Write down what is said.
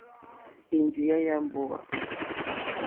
Ènjìyá yà mbówà.